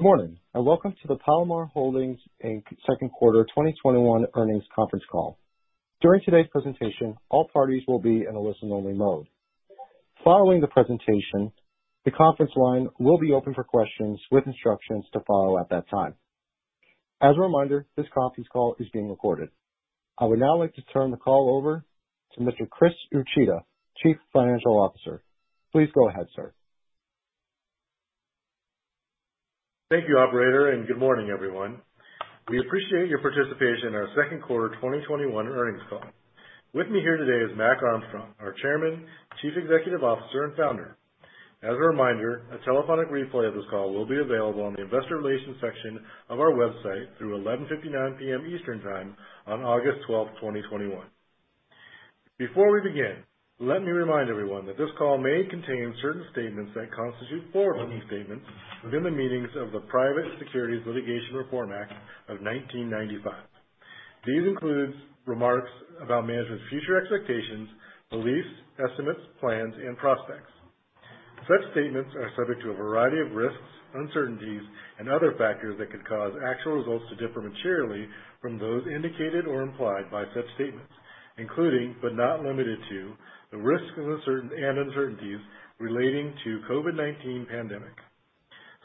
Morning, welcome to the Palomar Holdings, Inc. second quarter 2021 earnings conference call. During today's presentation, all parties will be in a listen-only mode. Following the presentation, the conference line will be open for questions with instructions to follow at that time. As a reminder, this conference call is being recorded. I would now like to turn the call over to Mr. Chris Uchida, Chief Financial Officer. Please go ahead, sir. Thank you operator, good morning, everyone. We appreciate your participation in our second quarter 2021 earnings call. With me here today is Mac Armstrong, our Chairman, Chief Executive Officer, and Founder. As a reminder, a telephonic replay of this call will be available on the investor relations section of our website through 11:59 P.M. Eastern Time on August 12th, 2021. Before we begin, let me remind everyone that this call may contain certain statements that constitute forward-looking statements within the meanings of the Private Securities Litigation Reform Act of 1995. These include remarks about management's future expectations, beliefs, estimates, plans, and prospects. Such statements are subject to a variety of risks, uncertainties, and other factors that could cause actual results to differ materially from those indicated or implied by such statements, including, but not limited to, the risks and uncertainties relating to COVID-19 pandemic.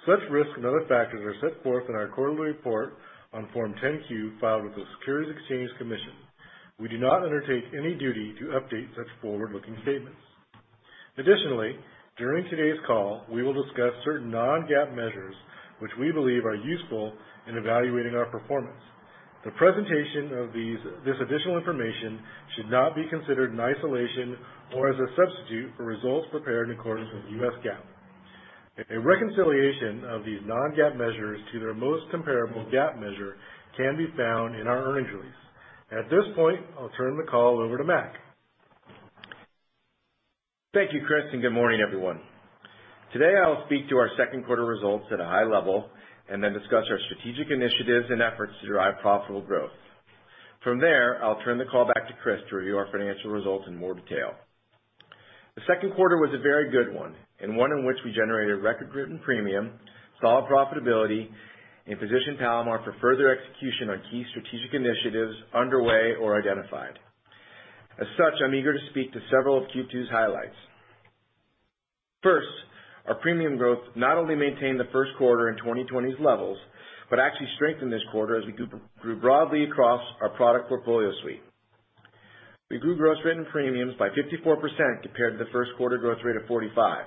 Such risks and other factors are set forth in our quarterly report on Form 10-Q filed with the Securities and Exchange Commission. We do not undertake any duty to update such forward-looking statements. Additionally, during today's call, we will discuss certain non-GAAP measures which we believe are useful in evaluating our performance. The presentation of this additional information should not be considered in isolation or as a substitute for results prepared in accordance with US GAAP. A reconciliation of these non-GAAP measures to their most comparable GAAP measure can be found in our earnings release. At this point, I'll turn the call over to Mac. Thank you, Chris, good morning, everyone. Today, I'll speak to our second quarter results at a high level and then discuss our strategic initiatives and efforts to drive profitable growth. From there, I'll turn the call back to Chris to review our financial results in more detail. The second quarter was a very good one, and one in which we generated record written premium, solid profitability, and positioned Palomar for further execution on key strategic initiatives underway or identified. As such, I'm eager to speak to several of Q2's highlights. First, our premium growth not only maintained the first quarter and 2020's levels, but actually strengthened this quarter as we grew broadly across our product portfolio suite. We grew gross written premiums by 54% compared to the first quarter growth rate of 45.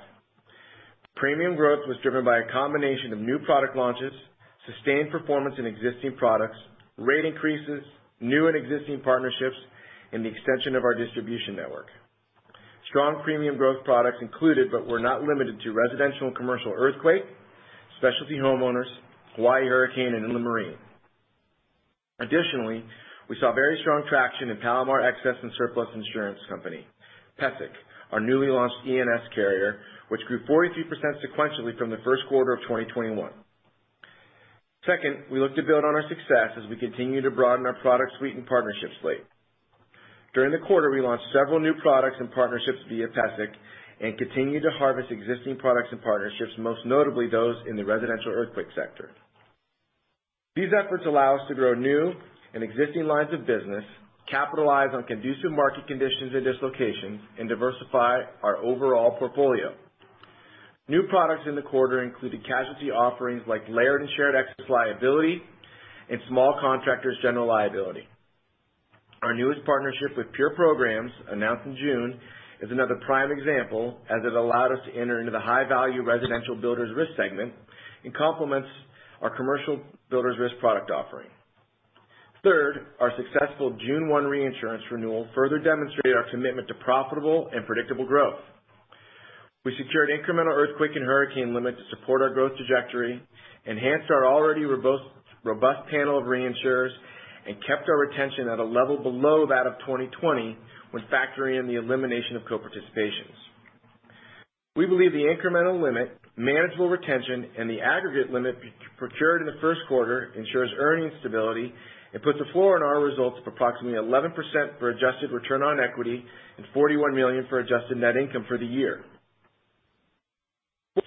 Premium growth was driven by a combination of new product launches, sustained performance in existing products, rate increases, new and existing partnerships, and the extension of our distribution network. Strong premium growth products included but were not limited to residential and commercial earthquake, specialty homeowners, Hawaii hurricane, and inland marine. Additionally, we saw very strong traction in Palomar Excess and Surplus Insurance Company, PESIC, our newly launched E&S carrier, which grew 43% sequentially from the first quarter of 2021. Second, we look to build on our success as we continue to broaden our product suite and partnership slate. During the quarter, we launched several new products and partnerships via PESIC and continued to harvest existing products and partnerships, most notably those in the residential earthquake sector. These efforts allow us to grow new and existing lines of business, capitalize on conducive market conditions and dislocations, and diversify our overall portfolio. New products in the quarter included casualty offerings like layered and shared excess liability and small contractors general liability. Our newest partnership with PURE Programs, announced in June, is another prime example, as it allowed us to enter into the high-value residential builders risk segment and complements our commercial builders risk product offering. Third, our successful June 1 reinsurance renewal further demonstrated our commitment to profitable and predictable growth. We secured incremental earthquake and hurricane limits to support our growth trajectory, enhanced our already robust panel of reinsurers, and kept our retention at a level below that of 2020 when factoring in the elimination of co-participations. We believe the incremental limit, manageable retention, and the aggregate limit procured in the first quarter ensures earnings stability and puts a floor on our results of approximately 11% for adjusted return on equity and $41 million for adjusted net income for the year.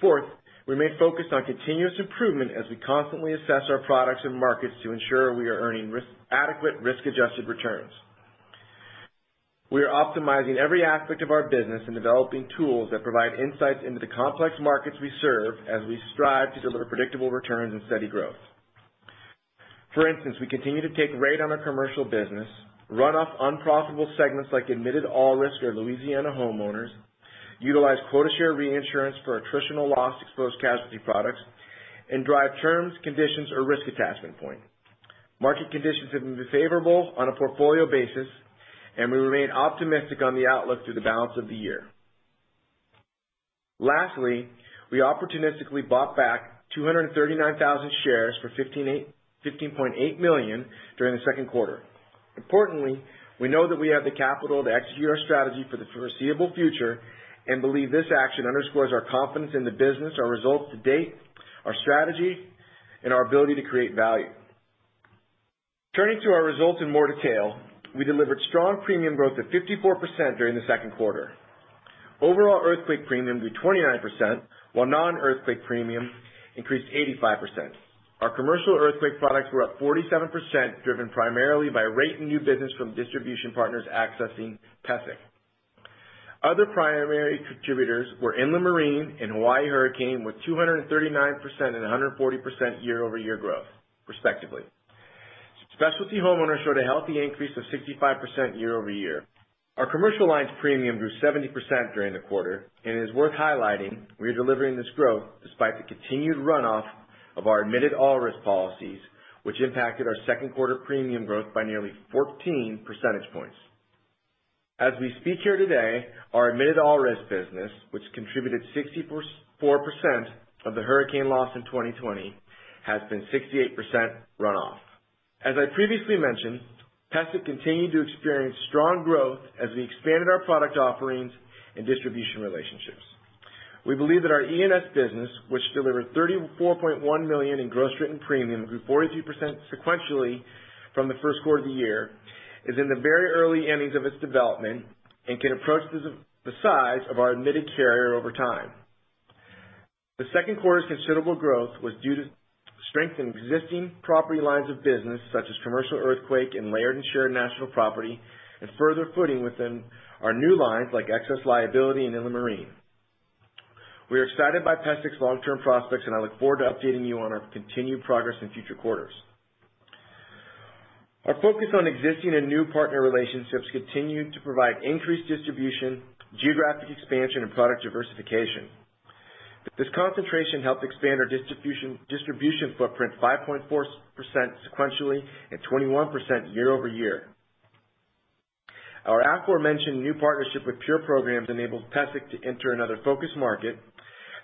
Fourth, we remain focused on continuous improvement as we constantly assess our products and markets to ensure we are earning adequate risk-adjusted returns. We are optimizing every aspect of our business and developing tools that provide insights into the complex markets we serve as we strive to deliver predictable returns and steady growth. For instance, we continue to take rate on our commercial business, run off unprofitable segments like admitted all risk or Louisiana homeowners, utilize quota share reinsurance for attritional loss exposed casualty products, and drive terms, conditions, or risk attachment point. Market conditions have been favorable on a portfolio basis, and we remain optimistic on the outlook through the balance of the year. Lastly, we opportunistically bought back 239,000 shares for $15.8 million during the second quarter. Importantly, we know that we have the capital to execute our strategy for the foreseeable future and believe this action underscores our confidence in the business, our results to date, our strategy, and our ability to create value. Turning to our results in more detail, we delivered strong premium growth of 54% during the second quarter. Overall earthquake premium grew 29%, while non-earthquake premium increased 85%. Our commercial earthquake products were up 47%, driven primarily by rate and new business from distribution partners accessing PESIC. Other primary contributors were inland Marine and Hawaii hurricane, with 239% and 140% year-over-year growth respectively. Specialty homeowners showed a healthy increase of 65% year-over-year. Our commercial lines premium grew 70% during the quarter, it is worth highlighting, we are delivering this growth despite the continued runoff of our admitted all-risk policies, which impacted our second quarter premium growth by nearly 14 percentage points. As we speak here today, our admitted all-risk business, which contributed 64% of the hurricane loss in 2020, has been 68% runoff. As I previously mentioned, PESIC continued to experience strong growth as we expanded our product offerings and distribution relationships. We believe that our E&S business, which delivered $34.1 million in gross written premium, grew 43% sequentially from the first quarter of the year, is in the very early innings of its development and can approach the size of our admitted carrier over time. The second quarter's considerable growth was due to strength in existing property lines of business such as commercial earthquake and layered and shared national property, further footing within our new lines like excess liability and in the Marine. We are excited by PESIC's long-term prospects, I look forward to updating you on our continued progress in future quarters. Our focus on existing and new partner relationships continued to provide increased distribution, geographic expansion, and product diversification. This concentration helped expand our distribution footprint 5.4% sequentially and 21% year-over-year. Our aforementioned new partnership with PURE Programs enabled PESIC to enter another focus market,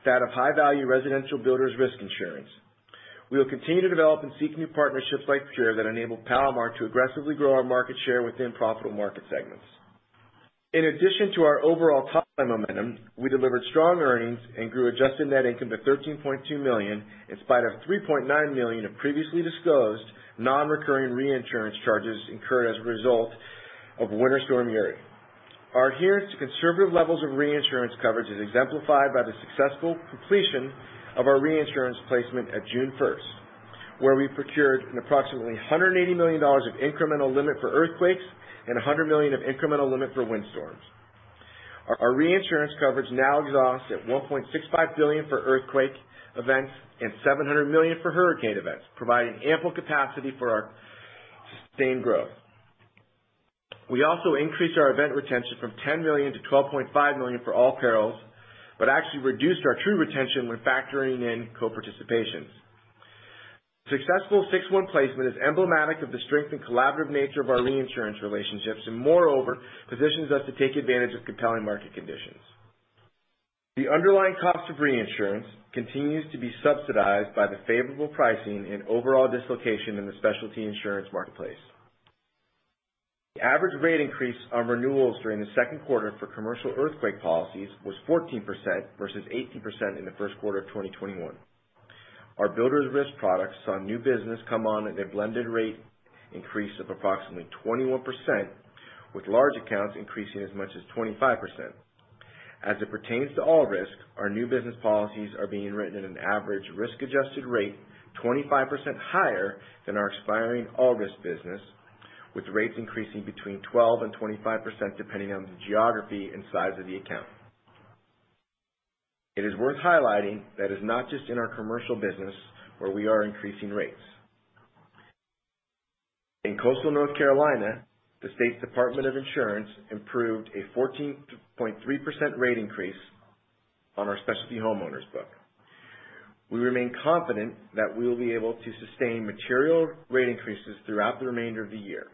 that of high-value residential builders risk insurance. We will continue to develop and seek new partnerships like PURE that enable Palomar to aggressively grow our market share within profitable market segments. In addition to our overall top-line momentum, we delivered strong earnings and grew adjusted net income to $13.2 million, in spite of $3.9 million of previously disclosed non-recurring reinsurance charges incurred as a result of Winter Storm Uri. Our adherence to conservative levels of reinsurance coverage is exemplified by the successful completion of our reinsurance placement at June 1st, where we procured an approximately $180 million of incremental limit for earthquakes and $100 million of incremental limit for windstorms. Our reinsurance coverage now exhausts at $1.65 billion for earthquake events and $700 million for hurricane events, providing ample capacity for our sustained growth. We also increased our event retention from $10 million to $12.5 million for all perils, but actually reduced our true retention when factoring in co-participations. Successful 6/1 placement is emblematic of the strength and collaborative nature of our reinsurance relationships, moreover, positions us to take advantage of compelling market conditions. The underlying cost of reinsurance continues to be subsidized by the favorable pricing and overall dislocation in the specialty insurance marketplace. The average rate increase on renewals during the second quarter for commercial earthquake policies was 14%, versus 18% in the first quarter of 2021. Our builders risk products saw new business come on at a blended rate increase of approximately 21%, with large accounts increasing as much as 25%. As it pertains to all risks, our new business policies are being written at an average risk-adjusted rate 25% higher than our expiring all-risk business, with rates increasing between 12% and 25%, depending on the geography and size of the account. It is worth highlighting that it's not just in our commercial business where we are increasing rates. In coastal North Carolina, the State's Department of Insurance approved a 14.3% rate increase on our specialty homeowners book. We remain confident that we will be able to sustain material rate increases throughout the remainder of the year.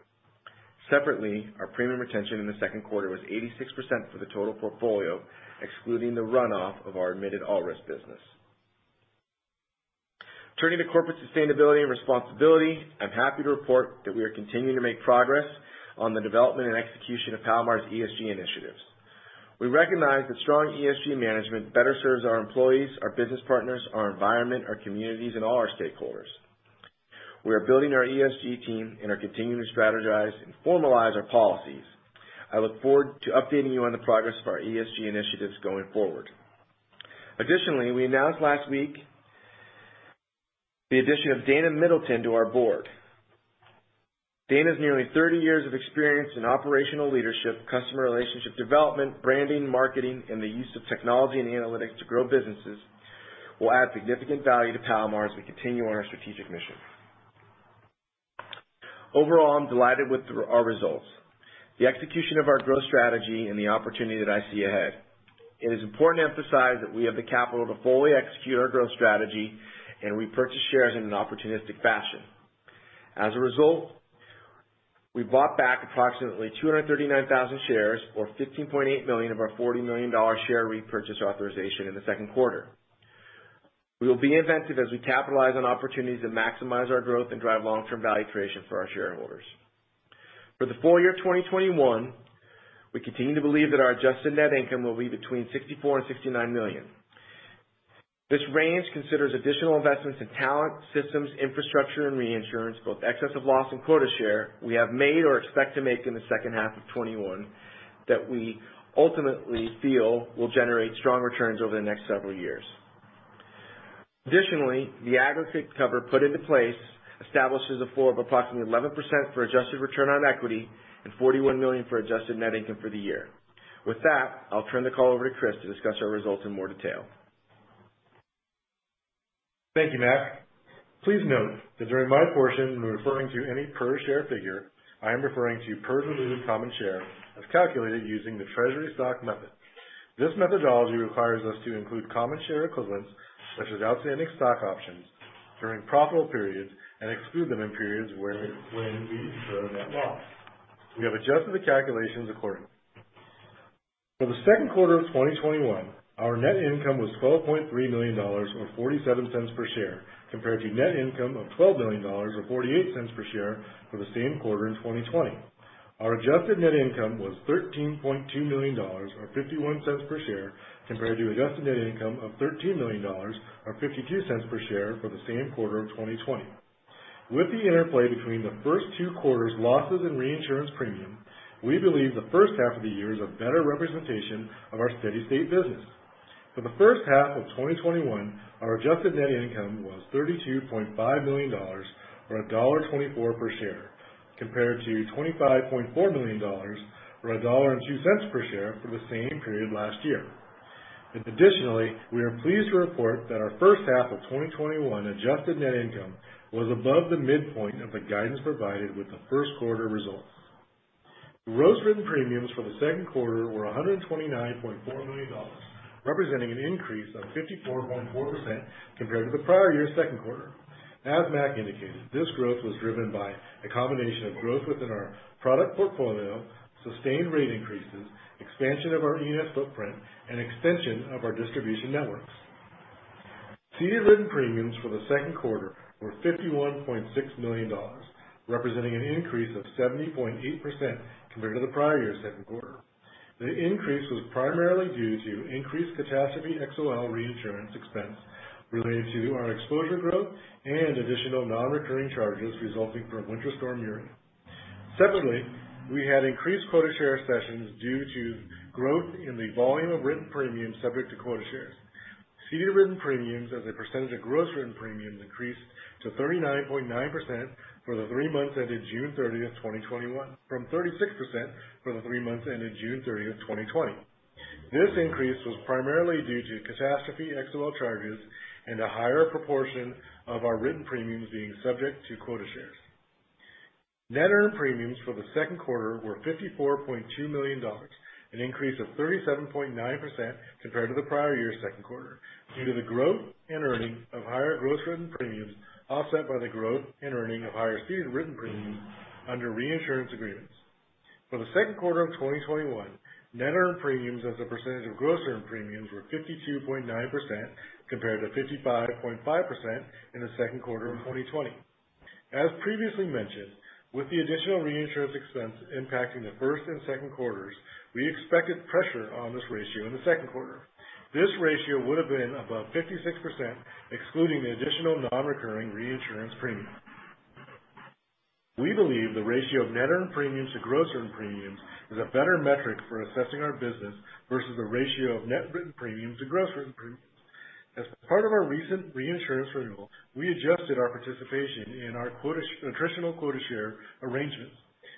Separately, our premium retention in the second quarter was 86% for the total portfolio, excluding the runoff of our admitted all-risk business. Turning to corporate sustainability and responsibility, I'm happy to report that we are continuing to make progress on the development and execution of Palomar's ESG initiatives. We recognize that strong ESG management better serves our employees, our business partners, our environment, our communities, and all our stakeholders. We are building our ESG team and are continuing to strategize and formalize our policies. I look forward to updating you on the progress of our ESG initiatives going forward. We announced last week the addition of Dana Middleton to our board. Dana's nearly 30 years of experience in operational leadership, customer relationship development, branding, marketing, and the use of technology and analytics to grow businesses will add significant value to Palomar as we continue on our strategic mission. Overall, I'm delighted with our results, the execution of our growth strategy, and the opportunity that I see ahead. It is important to emphasize that we have the capital to fully execute our growth strategy, and we purchase shares in an opportunistic fashion. As a result, we bought back approximately 239,000 shares or $15.8 million of our $40 million share repurchase authorization in the second quarter. We will be inventive as we capitalize on opportunities that maximize our growth and drive long-term value creation for our shareholders. For the full year 2021, we continue to believe that our adjusted net income will be between $64 million and $69 million. This range considers additional investments in talent, systems, infrastructure, and reinsurance, both excess of loss and quota share we have made or expect to make in the second half of 2021 that we ultimately feel will generate strong returns over the next several years. The aggregate cover put into place establishes a floor of approximately 11% for adjusted return on equity and $41 million for adjusted net income for the year. With that, I'll turn the call over to Chris to discuss our results in more detail. Thank you, Mac. Please note that during my portion, when referring to any per share figure, I am referring to per diluted common share as calculated using the treasury stock method. This methodology requires us to include common share equivalents, such as outstanding stock options, during profitable periods and exclude them in periods when we incur a net loss. We have adjusted the calculations accordingly. For the second quarter of 2021, our net income was $12.3 million, or $0.47 per share, compared to net income of $12 million or $0.48 per share for the same quarter in 2020. Our adjusted net income was $13.2 million or $0.51 per share compared to adjusted net income of $13 million or $0.52 per share for the same quarter of 2020. With the interplay between the first two quarters' losses and reinsurance premium, we believe the first half of the year is a better representation of our steady state business. For the first half of 2021, our adjusted net income was $32.5 million or $1.24 per share, compared to $25.4 million or $1.02 per share for the same period last year. Additionally, we are pleased to report that our first half of 2021 adjusted net income was above the midpoint of the guidance provided with the first quarter results. Gross written premiums for the second quarter were $129.4 million, representing an increase of 54.4% compared to the prior year's second quarter. As Mac indicated, this growth was driven by a combination of growth within our product portfolio, sustained rate increases, expansion of our E&S footprint, and extension of our distribution networks. Ceded written premiums for the second quarter were $51.6 million, representing an increase of 70.8% compared to the prior year's second quarter. The increase was primarily due to increased catastrophe XOL reinsurance expense related to our exposure growth and additional non-recurring charges resulting from Winter Storm Uri. We had increased quota share cessions due to growth in the volume of written premiums subject to quota shares. Ceded written premiums as a percentage of gross written premiums increased to 39.9% for the three months ended June 30th, 2021 from 36% for the three months ended June 30th, 2020. This increase was primarily due to catastrophe XOL charges and a higher proportion of our written premiums being subject to quota shares. Net earned premiums for the second quarter were $54.2 million, an increase of 37.9% compared to the prior year's second quarter due to the growth and earning of higher gross written premiums offset by the growth and earning of higher ceded written premiums under reinsurance agreements. For the second quarter of 2021, net earned premiums as a percentage of gross earned premiums were 52.9%, compared to 55.5% in the second quarter of 2020. As previously mentioned, with the additional reinsurance expense impacting the first and second quarters, we expected pressure on this ratio in the second quarter. This ratio would've been above 56%, excluding the additional non-recurring reinsurance premium. We believe the ratio of net earned premiums to gross earned premiums is a better metric for assessing our business versus the ratio of net written premiums to gross written premiums. As part of our recent reinsurance renewal, we adjusted our participation in our attritional quota share arrangements.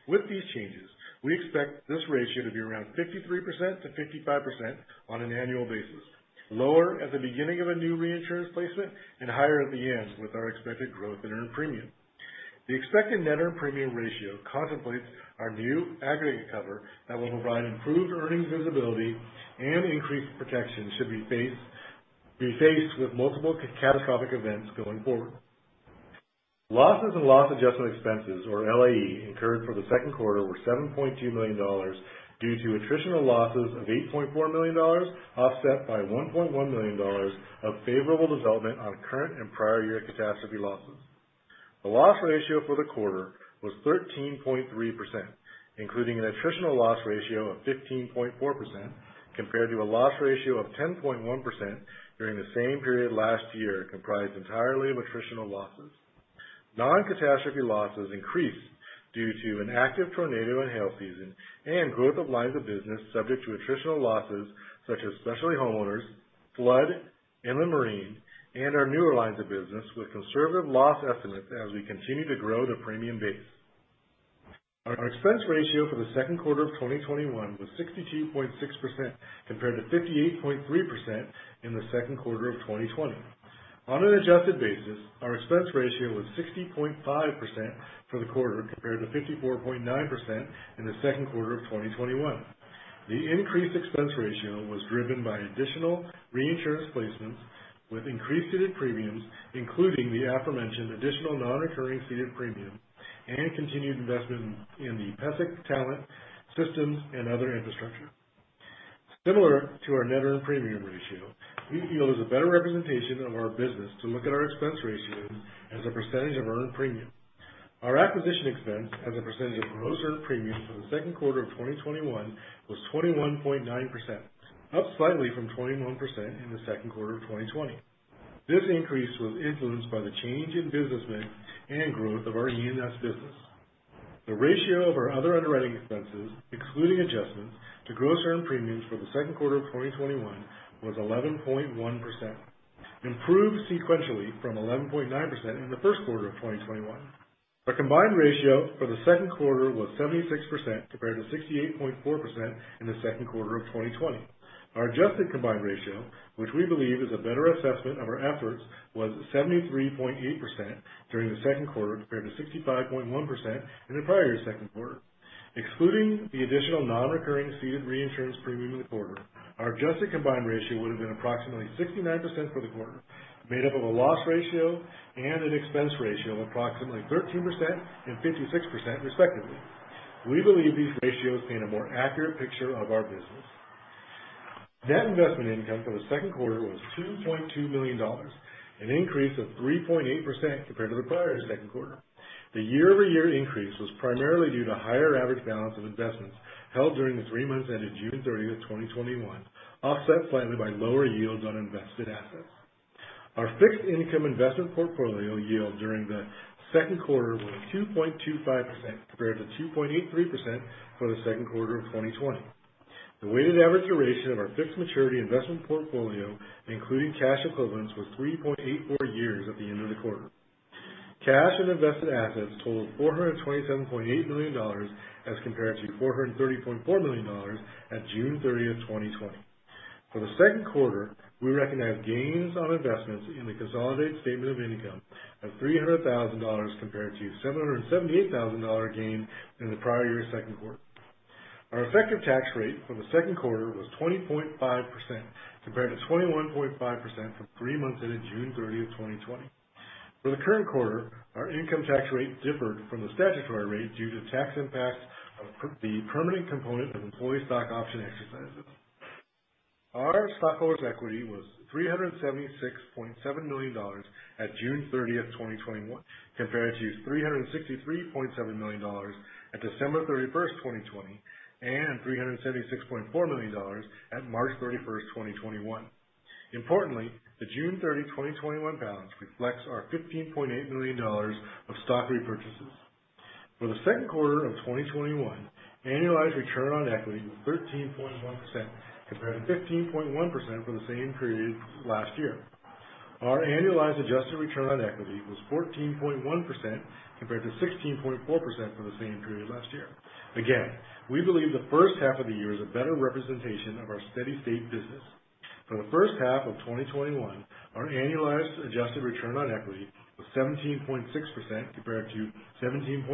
With these changes, we expect this ratio to be around 53%-55% on an annual basis, lower at the beginning of a new reinsurance placement and higher at the end with our expected growth in earned premium. The expected net earned premium ratio contemplates our new aggregate cover that will provide improved earnings visibility and increased protection should we be faced with multiple catastrophic events going forward. Losses and loss adjustment expenses, or LAE, incurred for the second quarter were $7.2 million due to attritional losses of $8.4 million offset by $1.1 million of favorable development on current and prior year catastrophe losses. The loss ratio for the quarter was 13.3%, including an attritional loss ratio of 15.4%, compared to a loss ratio of 10.1% during the same period last year, comprised entirely of attritional losses. Non-catastrophe losses increased due to an active tornado and hail season and growth of lines of business subject to attritional losses such as specialty homeowners, flood and marine, and our newer lines of business with conservative loss estimates as we continue to grow the premium base. Our expense ratio for the second quarter of 2021 was 62.6%, compared to 58.3% in the second quarter of 2020. On an adjusted basis, our expense ratio was 60.5% for the quarter compared to 54.9% in the second quarter of 2021. The increased expense ratio was driven by additional reinsurance placements with increased ceded premiums, including the aforementioned additional non-recurring ceded premium and continued investment in the PESIC talent systems and other infrastructure. Similar to our net earned premium ratio, we feel it is a better representation of our business to look at our expense ratio as a percentage of earned premium. Our acquisition expense as a percentage of gross earned premium for the second quarter of 2021 was 21.9%, up slightly from 21% in the second quarter of 2020. This increase was influenced by the change in business mix and growth of our E&S business. The ratio of our other underwriting expenses, excluding adjustments to gross earned premiums for the second quarter of 2021, was 11.1%, improved sequentially from 11.9% in the first quarter of 2021. Our combined ratio for the second quarter was 76%, compared to 68.4% in the second quarter of 2020. Our adjusted combined ratio, which we believe is a better assessment of our efforts, was 73.8% during the second quarter, compared to 65.1% in the prior second quarter. Excluding the additional non-recurring ceded reinsurance premium in the quarter, our adjusted combined ratio would've been approximately 69% for the quarter, made up of a loss ratio and an expense ratio of approximately 13% and 56%, respectively. We believe these ratios paint a more accurate picture of our business. Net investment income for the second quarter was $2.2 million, an increase of 3.8% compared to the prior second quarter. The year-over-year increase was primarily due to higher average balance of investments held during the three months ended June 30th, 2021, offset slightly by lower yields on invested assets. Our fixed income investment portfolio yield during the second quarter was 2.25%, compared to 2.83% for the second quarter of 2020. The weighted average duration of our fixed maturity investment portfolio, including cash equivalents, was 3.84 years at the end of the quarter. Cash and invested assets totaled $427.8 million as compared to $430.4 million at June 30th, 2020. For the second quarter, we recognized gains on investments in the consolidated statement of income of $300,000 compared to a $778,000 gain in the prior year second quarter. Our effective tax rate for the second quarter was 20.5%, compared to 21.5% for three months ended June 30th, 2020. For the current quarter, our income tax rate differed from the statutory rate due to tax impacts of the permanent component of employee stock option exercises. Our stockholders' equity was $376.7 million at June 30th, 2021, compared to $363.7 million at December 31st, 2020, and $376.4 million at March 31st, 2021. Importantly, the June 30, 2021, balance reflects our $15.8 million of stock repurchases. For the second quarter of 2021, annualized return on equity was 13.1%, compared to 15.1% for the same period last year. Our annualized adjusted return on equity was 14.1%, compared to 16.4% for the same period last year. Again, we believe the first half of the year is a better representation of our steady state business. For the first half of 2021, our annualized adjusted return on equity was 17.6%, compared to 17.1%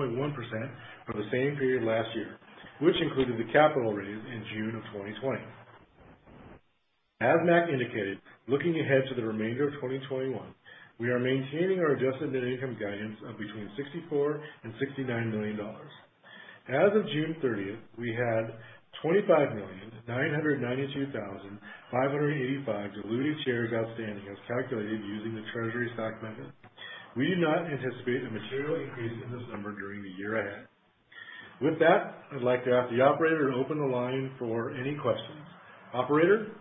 for the same period last year, which included the capital raise in June of 2020. As Mac indicated, looking ahead to the remainder of 2021, we are maintaining our adjusted net income guidance of between $64 million and $69 million. As of June 30th, we had 25,992,585 diluted shares outstanding as calculated using the treasury stock method. We do not anticipate a material increase in this number during the year ahead. With that, I'd like to ask the operator to open the line for any questions. Operator?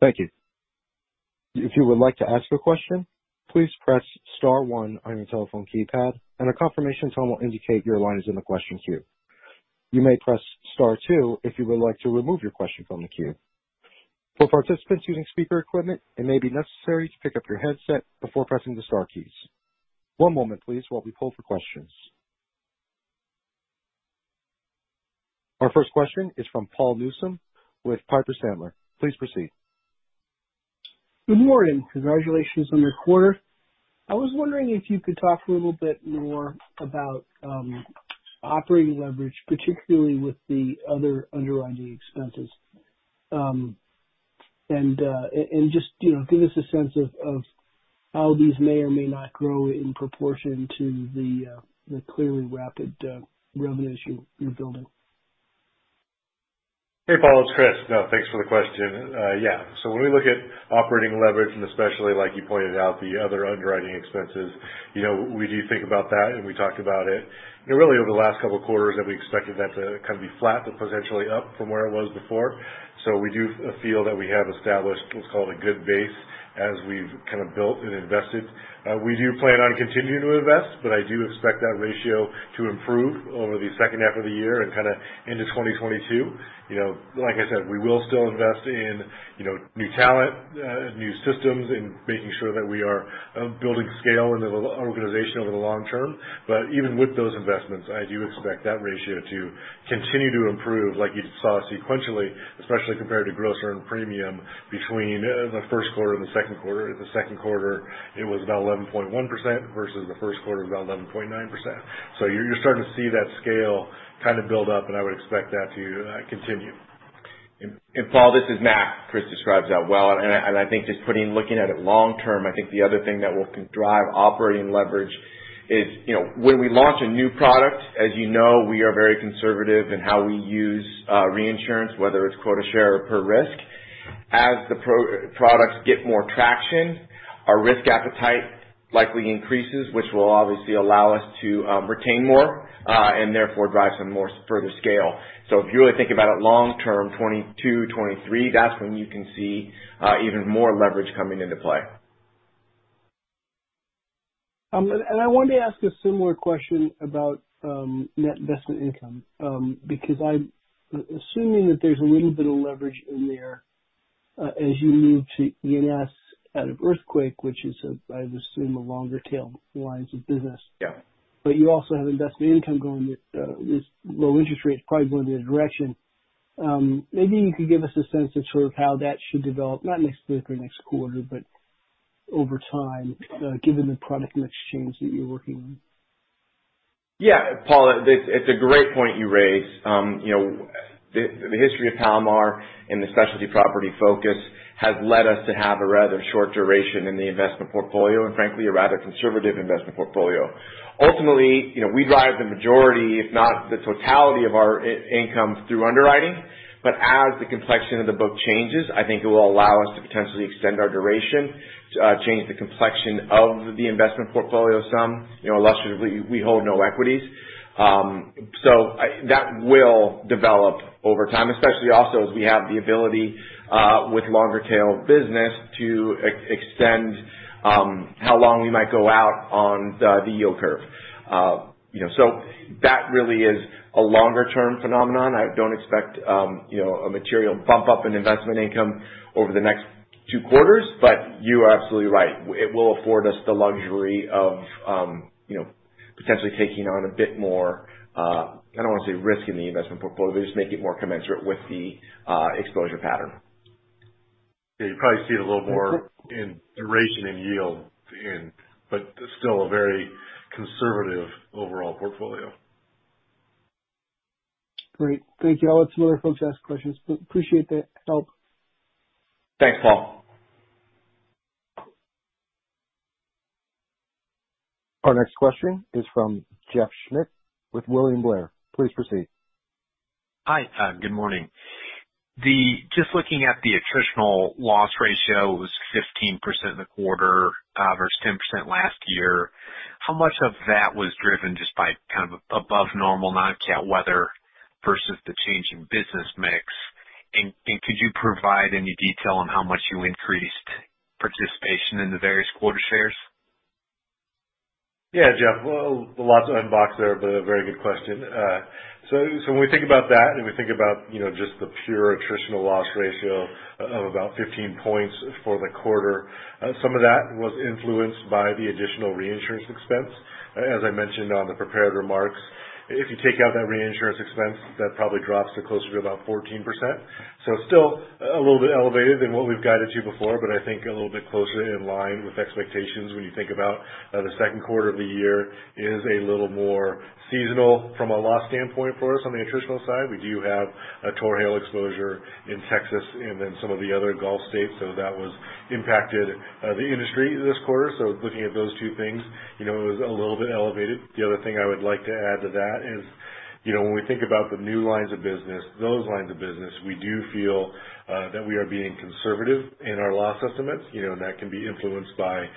Thank you. If you would like to ask a question, please press *1 on your telephone keypad, and a confirmation tone will indicate your line is in the question queue. You may press *2 if you would like to remove your question from the queue. For participants using speaker equipment, it may be necessary to pick up your headset before pressing the star keys. One moment please while we poll for questions. Our first question is from Paul Newsome with Piper Sandler. Please proceed. Good morning. Congratulations on your quarter. I was wondering if you could talk a little bit more about operating leverage, particularly with the other underwriting expenses. Just give us a sense of how these may or may not grow in proportion to the clearly rapid revenues you're building. Paul, it's Chris. Thanks for the question. Yeah. When we look at operating leverage and especially like you pointed out, the other underwriting expenses, we do think about that and we talked about it. Really over the last couple of quarters that we expected that to kind of be flat, but potentially up from where it was before. We do feel that we have established what's called a good base as we've kind of built and invested. We do plan on continuing to invest, but I do expect that ratio to improve over the second half of the year and kind of into 2022. Like I said, we will still invest in new talent, new systems, and making sure that we are building scale in the organization over the long term. Even with those investments, I do expect that ratio to continue to improve like you saw sequentially, especially compared to gross earned premium between the first quarter and the second quarter. The second quarter, it was about 11.1% versus the first quarter was around 11.9%. You're starting to see that scale kind of build up, and I would expect that to continue. Paul, this is Mac. Chris describes that well, and I think just looking at it long term, I think the other thing that will drive operating leverage is when we launch a new product, as you know, we are very conservative in how we use reinsurance, whether it's quota share or per risk. As the products get more traction, our risk appetite likely increases, which will obviously allow us to retain more, and therefore drive some more further scale. If you really think about it long term, 2022, 2023, that's when you can see even more leverage coming into play. I wanted to ask a similar question about net investment income, because I'm assuming that there's a little bit of leverage in there as you move to E&S out of earthquake, which is, I'd assume, a longer tail lines of business. Yeah. You also have investment income going with this low interest rate, it's probably going the other direction. Maybe you could give us a sense of how that should develop, not next week or next quarter, but over time, given the product mix change that you're working on. Paul, it's a great point you raise. The history of Palomar and the specialty property focus has led us to have a rather short duration in the investment portfolio, and frankly, a rather conservative investment portfolio. Ultimately, we drive the majority, if not the totality of our income through underwriting. As the complexion of the book changes, I think it will allow us to potentially extend our duration, change the complexion of the investment portfolio some. Illustratively, we hold no equities. That will develop over time, especially also as we have the ability, with longer tail business, to extend how long we might go out on the yield curve. That really is a longer-term phenomenon. I don't expect a material bump up in investment income over the next two quarters. You are absolutely right. It will afford us the luxury of potentially taking on a bit more, I don't want to say risk in the investment portfolio, just make it more commensurate with the exposure pattern. You probably see it a little more in duration and yield, still a very conservative overall portfolio. Great. Thank you. I'll let some other folks ask questions, but appreciate the help. Thanks, Paul. Our next question is from Jeff Schmitt with William Blair. Please proceed. Hi. Good morning. Just looking at the attritional loss ratio was 15% in the quarter versus 10% last year. How much of that was driven just by above normal non-cat weather versus the change in business mix? Could you provide any detail on how much you increased participation in the various quota shares? Jeff. Lots to unbox there, but a very good question. When we think about that, and we think about just the pure attritional loss ratio of about 15 points for the quarter, some of that was influenced by the additional reinsurance expense. As I mentioned on the prepared remarks, if you take out that reinsurance expense, that probably drops to closer to about 14%. Still a little bit elevated than what we've guided to before, but I think a little bit closer in line with expectations when you think about the second quarter of the year is a little more seasonal from a loss standpoint for us on the attritional side. We do have a tornado and hail exposure in Texas and in some of the other Gulf states. That impacted the industry this quarter. Looking at those two things, it was a little bit elevated. The other thing I would like to add to that is, when we think about the new lines of business, those lines of business, we do feel that we are being conservative in our loss estimates. That can be influenced by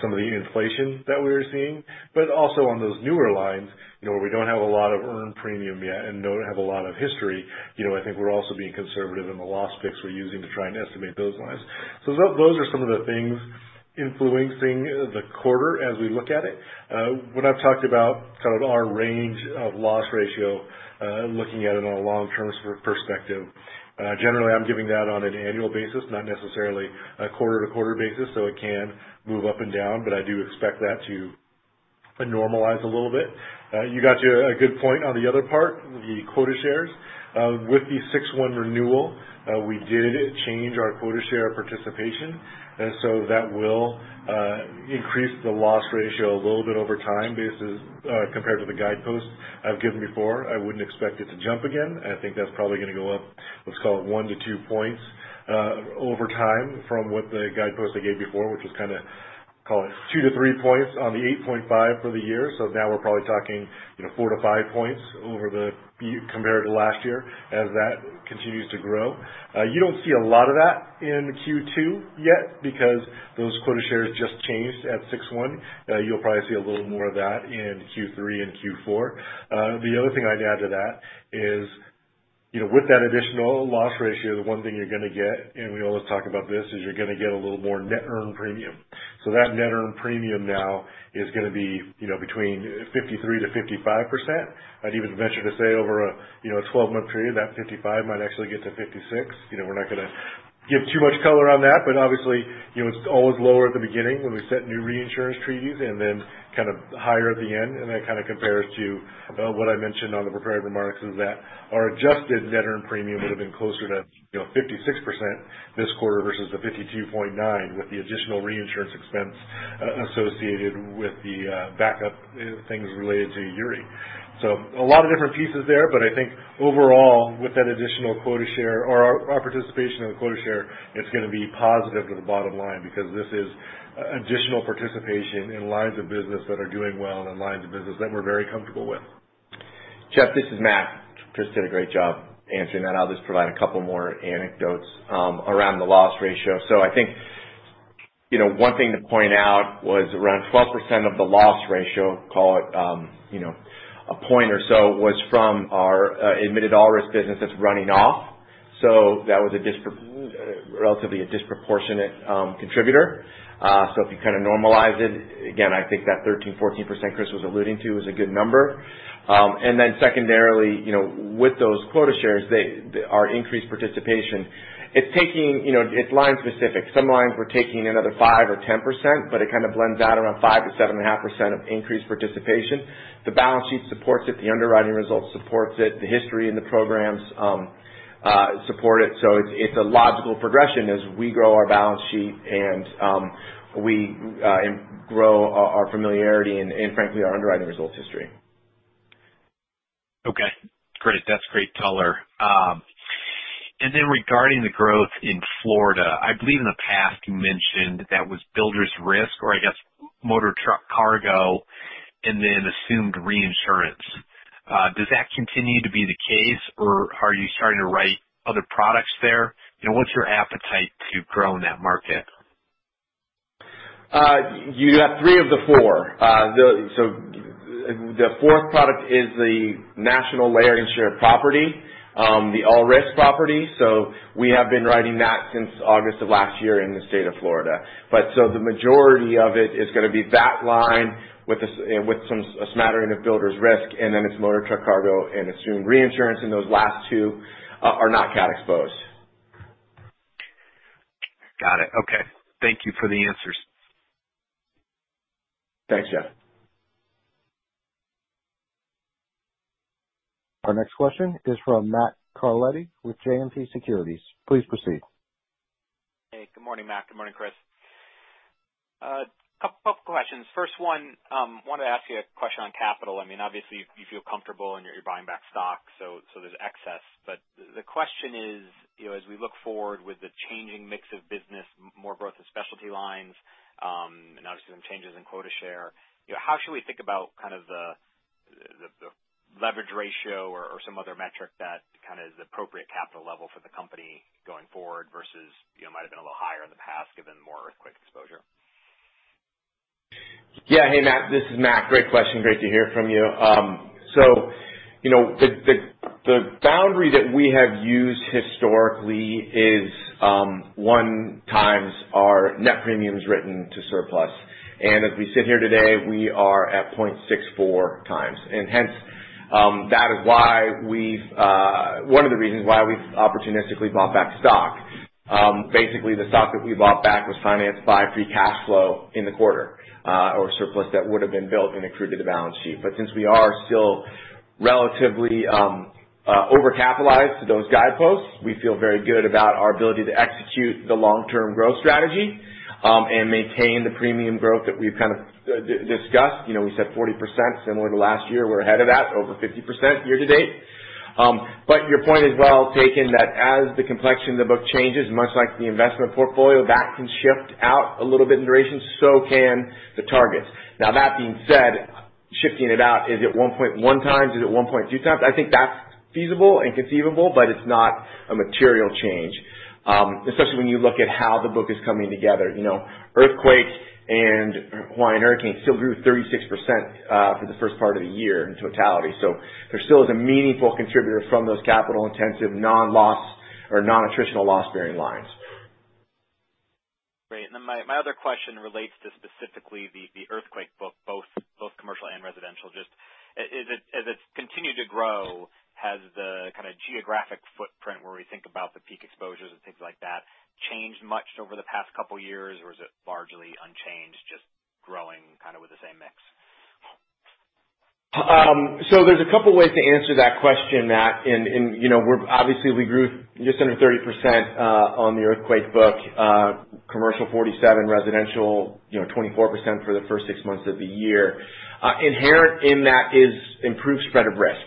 some of the inflation that we are seeing. Also on those newer lines, where we don't have a lot of earned premium yet and don't have a lot of history, I think we're also being conservative in the loss picks we're using to try and estimate those lines. Those are some of the things influencing the quarter as we look at it. When I've talked about our range of loss ratio, looking at it on a long-term perspective, generally, I'm giving that on an annual basis, not necessarily a quarter-to-quarter basis, it can move up and down, but I do expect that to normalize a little bit. You got a good point on the other part, the quota shares. With the 6/1 renewal, we did change our quota share participation. That will increase the loss ratio a little bit over time compared to the guideposts I've given before. I wouldn't expect it to jump again. I think that's probably going to go up, let's call it 1 to 2 points over time from what the guidepost I gave before, which was kind of, call it 2 to 3 points on the 8.5 for the year. Now we're probably talking 4 to 5 points compared to last year as that continues to grow. You don't see a lot of that in Q2 yet because those quota shares just changed at 6/1. You'll probably see a little more of that in Q3 and Q4. The other thing I'd add to that is with that additional loss ratio, the one thing you're going to get, and we always talk about this, is you're going to get a little more net earned premium. That net earned premium now is going to be between 53%-55%. I'd even venture to say over a 12-month period, that 55% might actually get to 56%. We're not going to give too much color on that, but obviously, it's always lower at the beginning when we set new reinsurance treaties and then kind of higher at the end. That kind of compares to what I mentioned on the prepared remarks is that our adjusted net earned premium would've been closer to 56% this quarter versus the 52.9% with the additional reinsurance expense associated with the backup things related to Uri. A lot of different pieces there, but I think overall, with that additional quota share or our participation in the quota share, it's going to be positive to the bottom line because this is additional participation in lines of business that are doing well and lines of business that we're very comfortable with. Jeff, this is Matthew. Chris did a great job answering that. I'll just provide a couple more anecdotes around the loss ratio. I think one thing to point out was around 12% of the loss ratio, call it, a point or so, was from our admitted all risk business that's running off. If you normalize it, again, I think that 13%-14% Chris was alluding to is a good number. Secondarily, with those quota shares, our increased participation, it's line specific. Some lines were taking another 5% or 10%, but it kind of blends out around 5%-7.5% of increased participation. The balance sheet supports it. The underwriting results supports it. The history and the programs support it. It's a logical progression as we grow our balance sheet and we grow our familiarity, and frankly, our underwriting results history. Okay. Great. That's great color. Regarding the growth in Florida, I believe in the past you mentioned that was builders risk, or I guess motor truck cargo and then assumed reinsurance. Does that continue to be the case, or are you starting to write other products there? What's your appetite to grow in that market? You got three of the four. The fourth product is the national layer insurance property, the all-risk property. We have been writing that since August of last year in the state of Florida. The majority of it is going to be that line with a smattering of builders risk, motor truck cargo and assumed reinsurance. Those last two are not cat exposed. Got it. Okay. Thank you for the answers. Thanks, Jeff. Our next question is from Matthew Carletti with JMP Securities. Please proceed. Hey, good morning, Matt. Good morning, Chris. A couple of questions. First one, wanted to ask you a question on capital. Obviously, you feel comfortable and you're buying back stock, so there's excess. The question is, as we look forward with the changing mix of business, more growth of specialty lines, and obviously some changes in quota share, how should we think about the leverage ratio or some other metric that is appropriate capital level for the company going forward versus might've been a little higher in the past given more earthquake exposure? Yeah. Hey, Matt, this is Mac. Great question. Great to hear from you. The boundary that we have used historically is one times our net premiums written to surplus. As we sit here today, we are at 0.64 times. Hence, one of the reasons why we've opportunistically bought back stock. Basically, the stock that we bought back was financed by free cash flow in the quarter, or surplus that would've been built and accrued to the balance sheet. Since we are still relatively over-capitalized to those guideposts, we feel very good about our ability to execute the long-term growth strategy, and maintain the premium growth that we've kind of discussed. We said 40% similar to last year. We're ahead of that, over 50% year to date. Your point is well taken that as the complexion of the book changes, much like the investment portfolio, that can shift out a little bit in duration. Can the targets. Now that being said, shifting it out, is it 1.1 times? Is it 1.2 times? I think that's feasible and conceivable, but it's not a material change. Especially when you look at how the book is coming together. Earthquakes and Hawaiian hurricanes still grew 36% for the first part of the year in totality. There still is a meaningful contributor from those capital-intensive non-loss or non-attritional loss-bearing lines. Great. My other question relates to specifically the earthquake book, both commercial and residential. Just as it's continued to grow, has the kind of geographic footprint where we think about the peak exposures and things like that changed much over the past couple of years? Is it largely unchanged, just growing kind of with the same mix? There's a couple ways to answer that question, Matt. Obviously we grew just under 30% on the earthquake book. Commercial 47%, residential 24% for the first 6 months of the year. Inherent in that is improved spread of risk.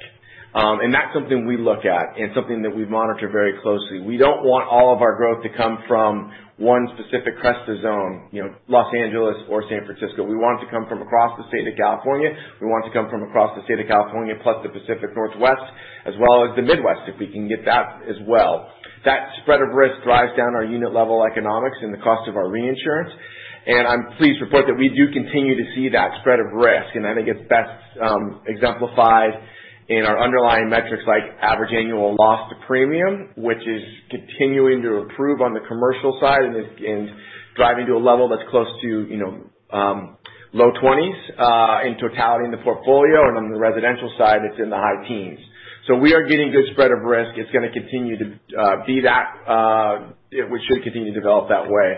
That's something we look at and something that we monitor very closely. We don't want all of our growth to come from one specific CRESTA zone, Los Angeles or San Francisco. We want it to come from across the state of California. We want it to come from across the state of California plus the Pacific Northwest, as well as the Midwest, if we can get that as well. That spread of risk drives down our unit level economics and the cost of our reinsurance, and I'm pleased to report that we do continue to see that spread of risk. I think it's best exemplified in our underlying metrics like average annual loss to premium, which is continuing to improve on the commercial side and is driving to a level that's close to low 20s in totality in the portfolio. On the residential side, it's in the high teens. We are getting good spread of risk. It's going to continue to be that. We should continue to develop that way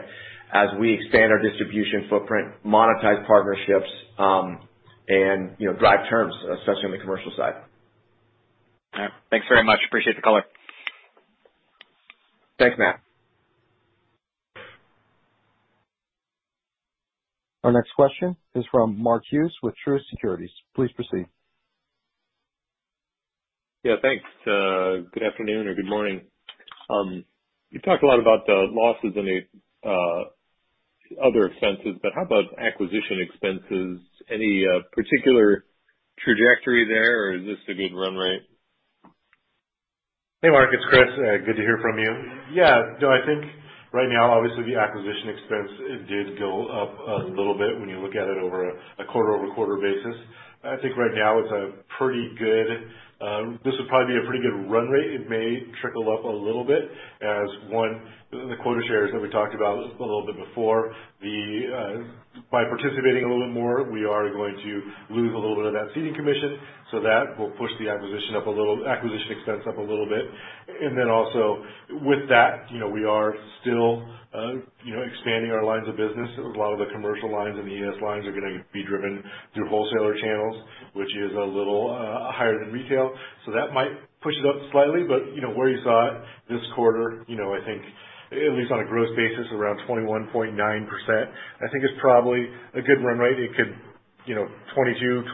as we expand our distribution footprint, monetize partnerships, and drive terms, especially on the commercial side. All right. Thanks very much. Appreciate the color. Thanks, Matt. Our next question is from Mark Hughes with Truist Securities. Please proceed. Yeah. Thanks. Good afternoon or good morning. You talked a lot about the losses in the Other expenses, how about acquisition expenses? Any particular trajectory there, or is this a good run rate? Hey, Mark, it's Chris. Good to hear from you. Yeah. No, I think right now, obviously, the acquisition expense did go up a little bit when you look at it over a quarter-over-quarter basis. I think right now this would probably be a pretty good run rate. It may trickle up a little bit as one, the quota shares that we talked about a little bit before. By participating a little bit more, we are going to lose a little bit of that ceding commission. That will push the acquisition expense up a little bit. Also with that, we are still expanding our lines of business. A lot of the commercial lines and the E&S lines are going to be driven through wholesaler channels, which is a little higher than retail, that might push it up slightly. Where you saw it this quarter, I think at least on a gross basis, around 21.9%, I think is probably a good run rate. It could, 22%, 22.5%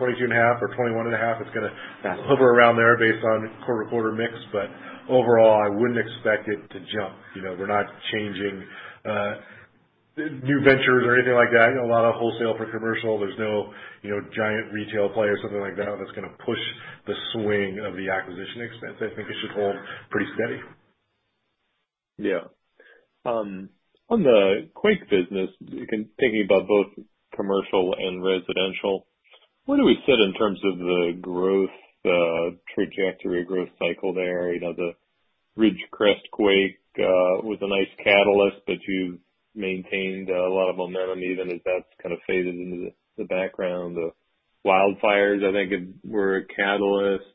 or 21.5%. It's going to hover around there based on quarter mix. Overall, I wouldn't expect it to jump. We're not changing new ventures or anything like that. I know a lot of wholesale for commercial. There's no giant retail play or something like that's going to push the swing of the acquisition expense. I think it should hold pretty steady. Yeah. On the quake business, thinking about both commercial and residential, where do we sit in terms of the growth trajectory, growth cycle there? The Ridgecrest quake was a nice catalyst, but you've maintained a lot of momentum even as that's kind of faded into the background. The wildfires, I think, were a catalyst.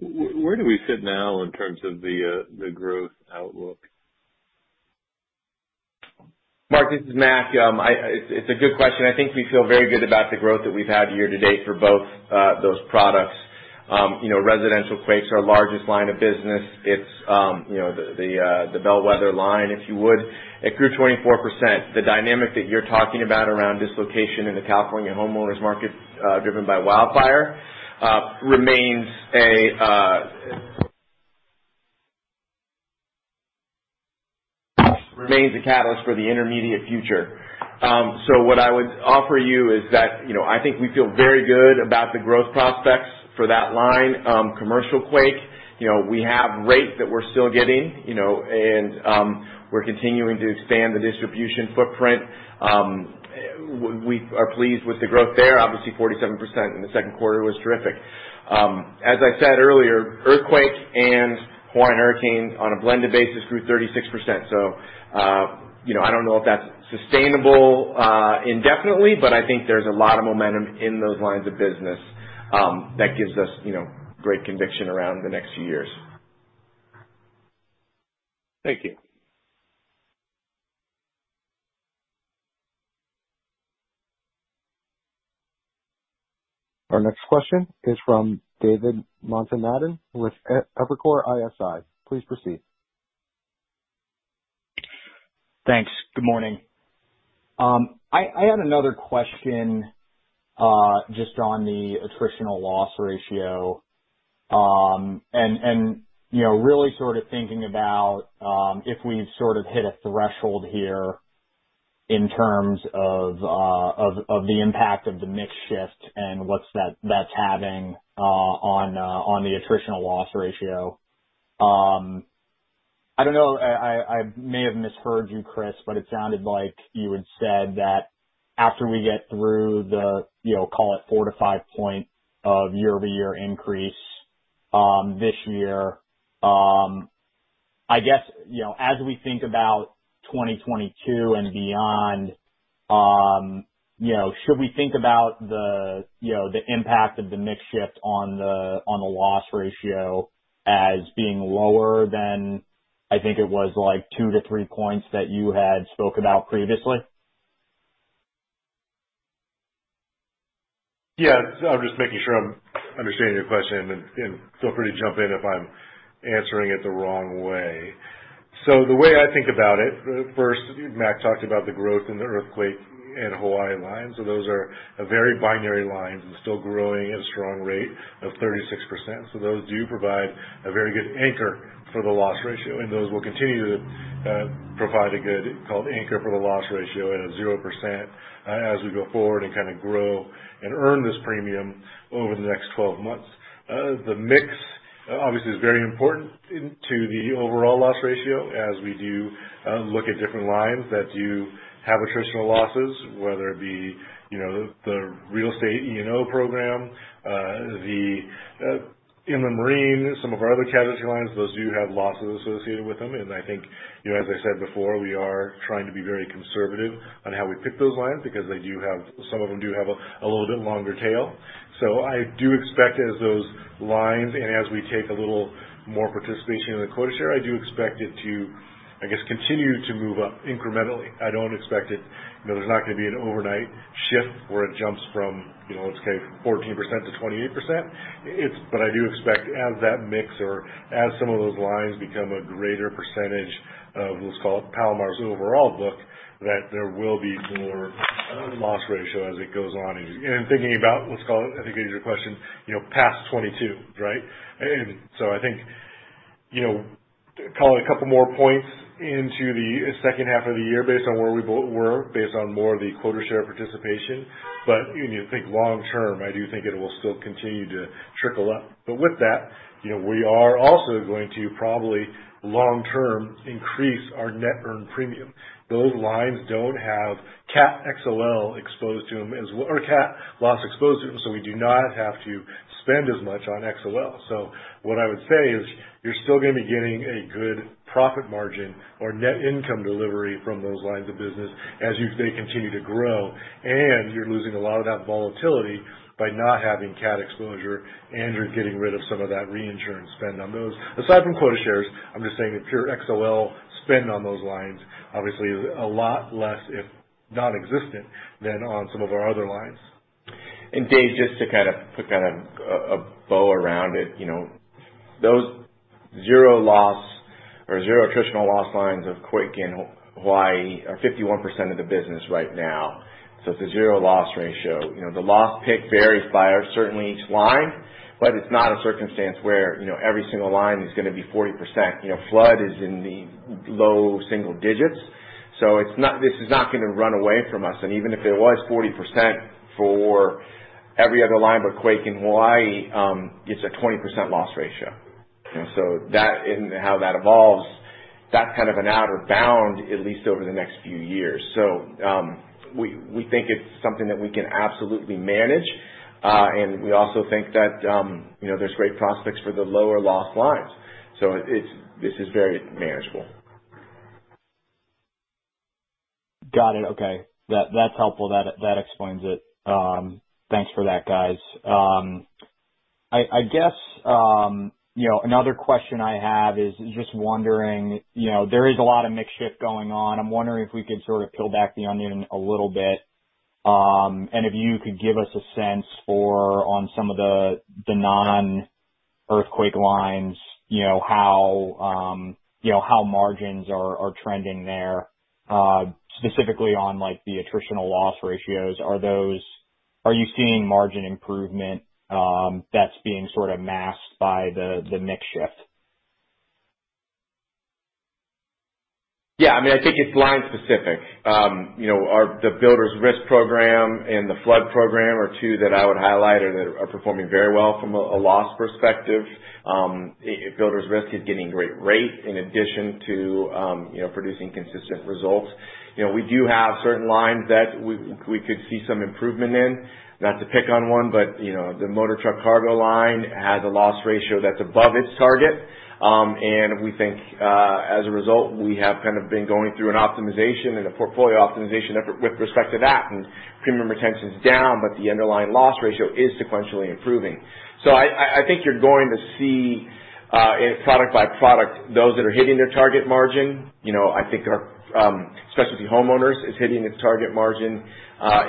Where do we sit now in terms of the growth outlook? Mark, this is Mac. It's a good question. I think we feel very good about the growth that we've had year to date for both those products. Residential quakes are our largest line of business. It's the bellwether line, if you would. It grew 24%. The dynamic that you're talking about around dislocation in the California homeowners market, driven by wildfire, remains a catalyst for the intermediate future. What I would offer you is that I think we feel very good about the growth prospects for that line. Commercial quake, we have rate that we're still getting, and we're continuing to expand the distribution footprint. We are pleased with the growth there. Obviously, 47% in the second quarter was terrific. As I said earlier, earthquake and Hawaiian hurricanes on a blended basis grew 36%. I don't know if that's sustainable indefinitely, but I think there's a lot of momentum in those lines of business that gives us great conviction around the next few years. Thank you. Our next question is from David Motemaden with Evercore ISI. Please proceed. Thanks. Good morning. I had another question just on the attritional loss ratio. Really sort of thinking about if we have sort of hit a threshold here in terms of the impact of the mix shift and what that is having on the attritional loss ratio. I do not know, I may have misheard you, Chris, but it sounded like you had said that after we get through the, call it four to five point of year-over-year increase this year. I guess, as we think about 2022 and beyond, should we think about the impact of the mix shift on the loss ratio as being lower than, I think it was two to three points that you had spoken about previously? Yeah. I am just making sure I am understanding your question, feel free to jump in if I am answering it the wrong way. The way I think about it, first, Mac talked about the growth in the earthquake and Hawaii line. Those are very binary lines and still growing at a strong rate of 36%. Those do provide a very good anchor for the loss ratio, and those will continue to provide a good, call it anchor for the loss ratio at a 0% as we go forward and kind of grow and earn this premium over the next 12 months. The mix obviously is very important to the overall loss ratio as we do look at different lines that do have attritional losses, whether it be the Real Estate E&O program, the marine, some of our other casualty lines, those do have losses associated with them. I think as I said before, we are trying to be very conservative on how we pick those lines because some of them do have a little bit longer tail. I do expect as those lines and as we take a little more participation in the quota share, I do expect it to, I guess, continue to move up incrementally. I do not expect there is not going to be an overnight shift where it jumps from, let us say 14%-28%. I do expect as that mix or as some of those lines become a greater percentage of, let us call it Palomar's overall book, that there will be more loss ratio as it goes on. Thinking about, let us call it, I think it answers your question, past 2022, right? I think call it a couple more points into the second half of the year based on where we were, based on more of the quota share participation. When you think long term, I do think it will still continue to trickle up. With that, we are also going to probably long term increase our net earned premium. Those lines don't have cat XOL exposed to them as, or cat loss exposed to them, so we do not have to spend as much on XOL. What I would say is you're still going to be getting a good profit margin or net income delivery from those lines of business as they continue to grow, and you're losing a lot of that volatility by not having cat exposure, and you're getting rid of some of that reinsurance spend on those. Aside from quota shares, I'm just saying if your XOL spend on those lines obviously is a lot less, if nonexistent, than on some of our other lines. Dave, just to kind of put a bow around it. Those zero loss or zero attritional loss lines of quake in Hawaii are 51% of the business right now. It's a zero loss ratio. The loss pick varies by certainly each line, but it's not a circumstance where every single line is going to be 40%. Flood is in the low single digits, this is not going to run away from us. Even if it was 40% for every other line but quake in Hawaii, it's a 20% loss ratio. That and how that evolves, that's kind of an outer bound, at least over the next few years. We think it's something that we can absolutely manage. We also think that there's great prospects for the lower loss lines. This is very manageable. Got it. Okay. That's helpful. That explains it. Thanks for that, guys. I guess, another question I have is just wondering, there is a lot of mix shift going on. I'm wondering if we could sort of peel back the onion a little bit, and if you could give us a sense for on some of the non-earthquake lines, how margins are trending there, specifically on the attritional loss ratios. Are you seeing margin improvement that's being sort of masked by the mix shift? I think it's line specific. The builders risk program and the flood program are two that I would highlight are performing very well from a loss perspective. Builders Risk is getting great rate in addition to producing consistent results. We do have certain lines that we could see some improvement in. Not to pick on one, but the motor truck cargo line has a loss ratio that's above its target. We think, as a result, we have kind of been going through an optimization and a portfolio optimization effort with respect to that, and premium retention's down, but the underlying loss ratio is sequentially improving. I think you're going to see, product by product, those that are hitting their target margin. I think our specialty homeowners is hitting its target margin,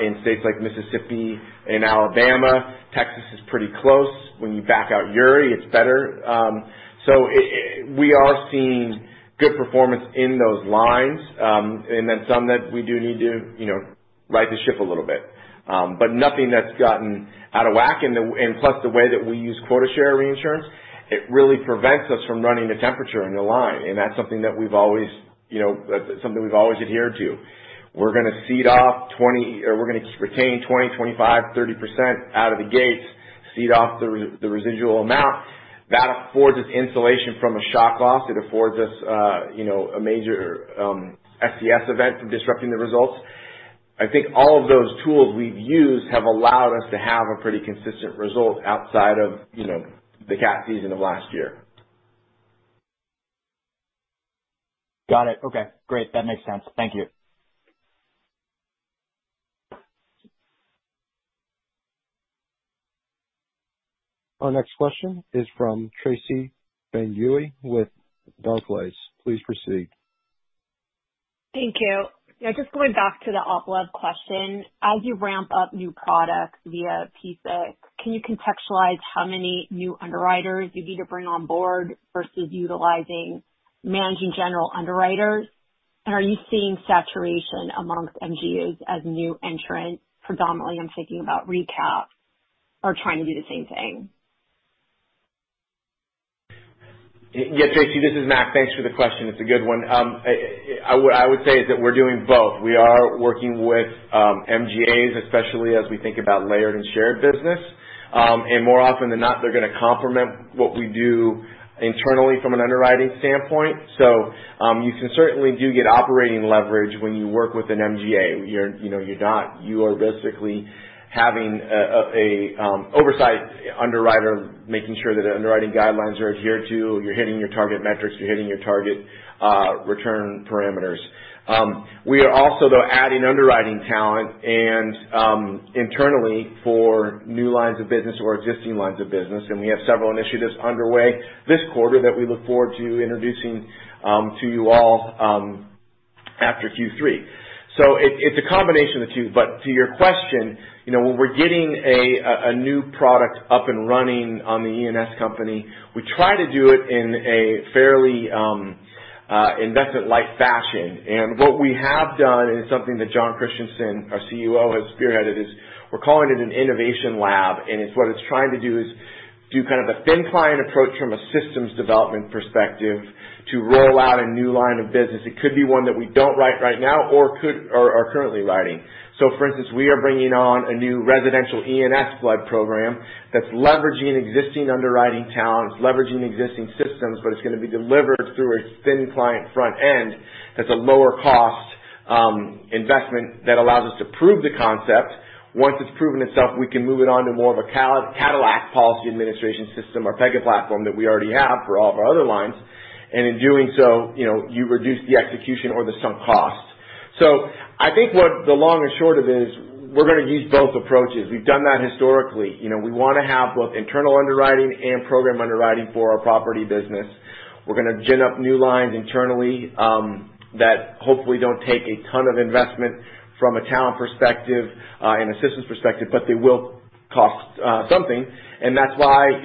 in states like Mississippi and Alabama. Texas is pretty close. When you back out Uri, it's better. We are seeing good performance in those lines, and then some that we do need to right the ship a little bit. Nothing that's gotten out of whack. Plus, the way that we use quota share reinsurance, it really prevents us from running a temperature in the line, and that's something that we've always adhered to. We're going to retain 20%, 25%, 30% out of the gates, cede off the residual amount. That affords us insulation from a shock loss. It affords us a major PCS event from disrupting the results. I think all of those tools we've used have allowed us to have a pretty consistent result outside of the cat season of last year. Got it. Okay, great. That makes sense. Thank you. Our next question is from Tracy Benguigui with Barclays. Please proceed. Thank you. Just going back to the op-lev question. As you ramp up new products via PESIC, can you contextualize how many new underwriters you need to bring on board versus utilizing managing general underwriters? Are you seeing saturation amongst MGAs as new entrants, predominantly I'm thinking about recap, are trying to do the same thing? Tracy, this is Mac. Thanks for the question. It's a good one. I would say is that we're doing both. We are working with MGAs, especially as we think about layered and shared business. More often than not, they're going to complement what we do internally from an underwriting standpoint. You can certainly do get operating leverage when you work with an MGA. You are basically having an oversight underwriter making sure that underwriting guidelines are adhered to, you're hitting your target metrics, you're hitting your target return parameters. We are also, though, adding underwriting talent internally for new lines of business or existing lines of business, and we have several initiatives underway this quarter that we look forward to introducing to you all after Q3. It's a combination of the two, but to your question, when we're getting a new product up and running on the E&S company, we try to do it in a fairly investment-like fashion. What we have done, and it's something that Jon Christianson, our COO, has spearheaded, is we're calling it an innovation lab. What it's trying to do is do kind of a thin client approach from a systems development perspective to roll out a new line of business. It could be one that we don't write right now or are currently writing. For instance, we are bringing on a new residential E&S flood program that's leveraging existing underwriting talent, it's leveraging existing systems, but it's going to be delivered through a thin client front end that's a lower-cost investment that allows us to prove the concept. Once it's proven itself, we can move it on to more of a Cadillac policy administration system, our Pega platform, that we already have for all of our other lines. In doing so, you reduce the execution or the sunk costs. I think what the long and short of it is, we're going to use both approaches. We've done that historically. We want to have both internal underwriting and program underwriting for our property business. We're going to gin up new lines internally that hopefully don't take a ton of investment from a talent perspective and a systems perspective, but they will cost something. That's why,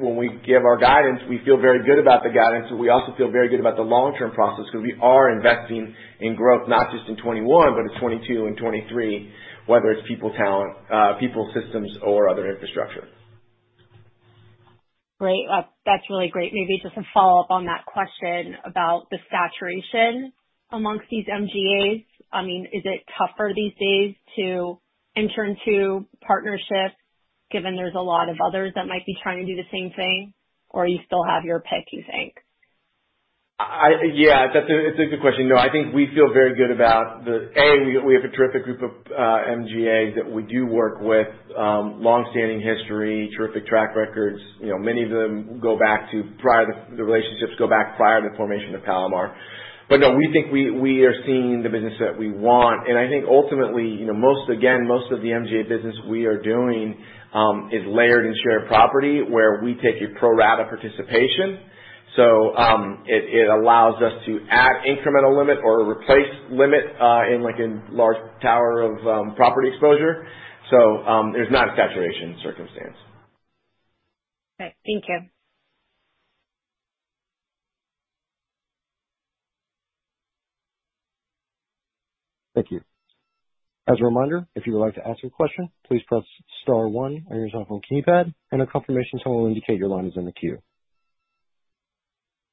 when we give our guidance, we feel very good about the guidance, but we also feel very good about the long-term process because we are investing in growth, not just in 2021, but in 2022 and 2023, whether it's people, systems, or other infrastructure. Great. That's really great. Maybe just a follow-up on that question about the saturation amongst these MGAs. Is it tougher these days to enter into partnerships given there's a lot of others that might be trying to do the same thing? You still have your pick, you think? Yeah. That's a good question. No, I think we feel very good about A, we have a terrific group of MGAs that we do work with, long-standing history, terrific track records. Many of them go back to prior to the relationships go back prior to the formation of Palomar. No, we think we are seeing the business that we want, and I think ultimately, again, most of the MGA business we are doing is layered and shared property where we take a pro-rata participation. It allows us to add incremental limit or replace limit in like a large tower of property exposure. There's not a saturation circumstance. Okay. Thank you. Thank you. As a reminder, if you would like to ask a question, please press star one on your telephone keypad, and a confirmation tone will indicate your line is in the queue.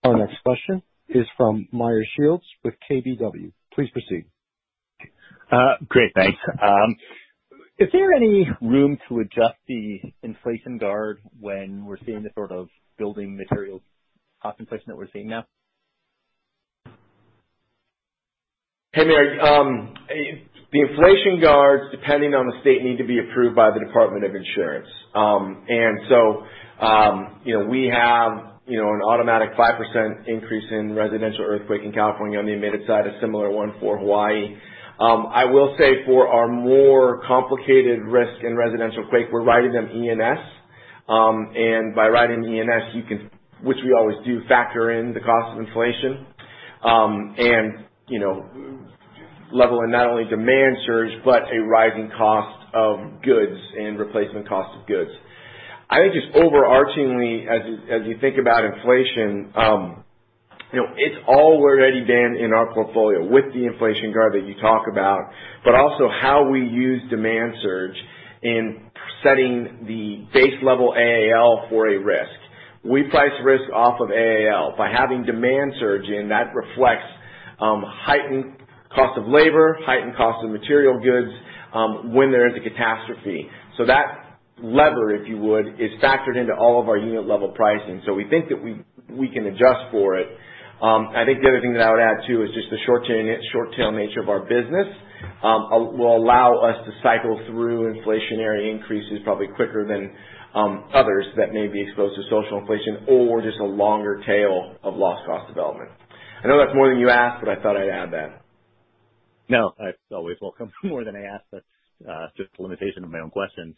Our next question is from Meyer Shields with KBW. Please proceed. Great. Thanks. Is there any room to adjust the inflation guard when we're seeing the sort of building material cost inflation that we're seeing now? Hey, Meyer. The inflation guards, depending on the state, need to be approved by the Department of Insurance. We have an automatic 5% increase in residential earthquake in California on the admitted side, a similar one for Hawaii. I will say for our more complicated risk in residential quake, we're writing them E&S. By writing E&S, which we always do, factor in the cost of inflation. Leveling not only demand surge, but a rising cost of goods and replacement cost of goods. I think just overarchingly, as you think about inflation, it's already been in our portfolio with the inflation guard that you talk about, but also how we use demand surge in setting the base level AAL for a risk. We price risk off of AAL. By having demand surge in, that reflects heightened cost of labor, heightened cost of material goods when there is a catastrophe. That lever, if you would, is factored into all of our unit level pricing. We think that we can adjust for it. I think the other thing that I would add, too, is just the short tail nature of our business will allow us to cycle through inflationary increases probably quicker than others that may be exposed to social inflation or just a longer tail of loss cost development. I know that's more than you asked, but I thought I'd add that. No, it's always welcome. More than I asked, that's just a limitation of my own questions.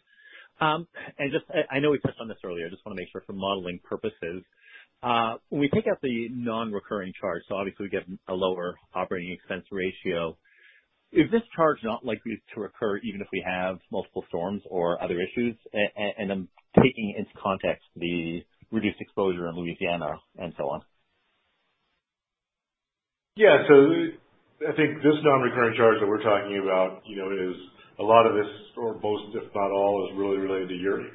I know we touched on this earlier, just want to make sure for modeling purposes. When we take out the non-recurring charge, obviously we get a lower operating expense ratio. Is this charge not likely to recur even if we have multiple storms or other issues? I'm taking into context the reduced exposure in Louisiana and so on. Yeah. I think this non-recurring charge that we're talking about is a lot of this, or most if not all, is really related to Uri.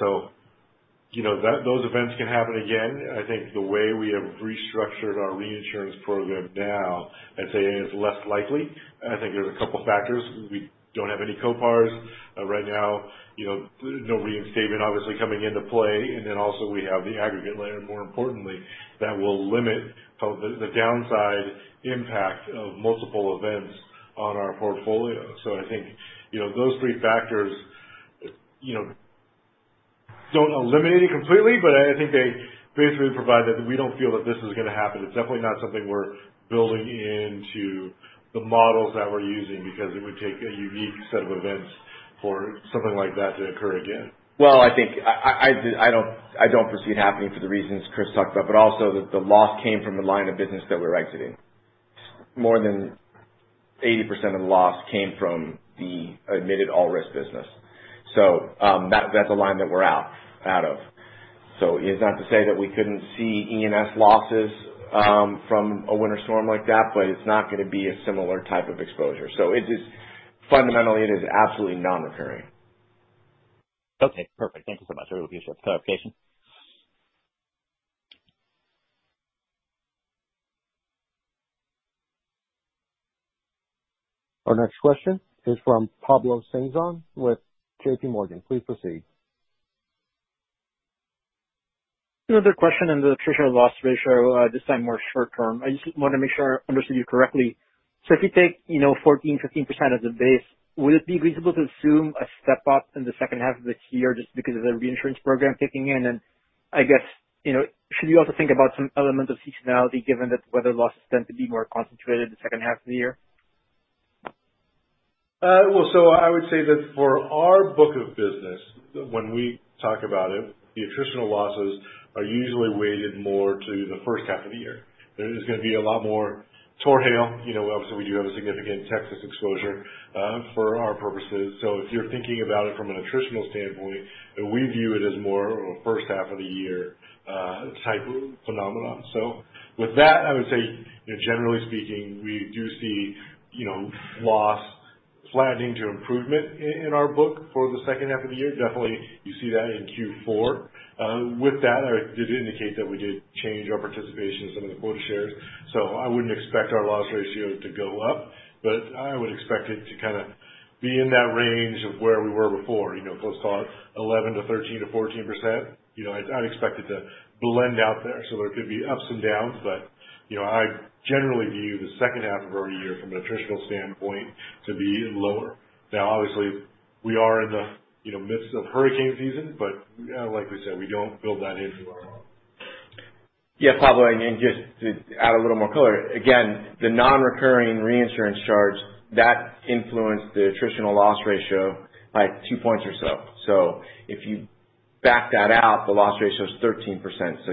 Those events can happen again. I think the way we have restructured our reinsurance program now, I'd say is less likely. I think there's a couple factors. We don't have any co-participations right now, no reinstatement obviously coming into play, also we have the aggregate layer, more importantly, that will limit the downside impact of multiple events on our portfolio. I think those three factors don't eliminate it completely, but I think they basically provide that we don't feel that this is going to happen. It's definitely not something we're building into the models that we're using because it would take a unique set of events for something like that to occur again. Well, I don't foresee it happening for the reasons Chris talked about, also the loss came from the line of business that we're exiting. More than 80% of the loss came from the admitted all risk business. That's a line that we're out of. It is not to say that we couldn't see E&S losses from a winter storm like that, but it's not going to be a similar type of exposure. Fundamentally, it is absolutely non-recurring. Okay, perfect. Thank you so much. I really appreciate the clarification. Our next question is from Pablo Singzon with J.P. Morgan. Please proceed. Another question on the attritional loss ratio, this time more short term. I just want to make sure I understood you correctly. If you take 14%, 15% as a base, would it be reasonable to assume a step up in the second half of this year just because of the reinsurance program kicking in? I guess, should we also think about some element of seasonality given that weather losses tend to be more concentrated in the second half of the year? Well, I would say that for our book of business, when we talk about it, the attritional losses are usually weighted more to the first half of the year. There is going to be a lot more tornado and hail. Obviously, we do have a significant Texas exposure for our purposes. If you're thinking about it from an attritional standpoint, we view it as more of a first half of the year type phenomenon. With that, I would say, generally speaking, we do see loss flattening to improvement in our book for the second half of the year. Definitely, you see that in Q4. With that, I did indicate that we did change our participation in some of the quota shares. I wouldn't expect our loss ratio to go up, but I would expect it to kind of be in that range of where we were before. Close call 11% to 13% to 14%. I'd expect it to blend out there. There could be ups and downs, but I generally view the second half of our year from an attritional standpoint to be even lower. Obviously, we are in the midst of hurricane season, like we said, we don't build that into our model. Pablo, just to add a little more color. The non-recurring reinsurance charge, that influenced the attritional loss ratio by two points or so. If you back that out, the loss ratio is 13%.